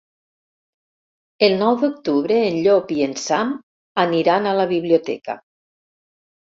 El nou d'octubre en Llop i en Sam aniran a la biblioteca.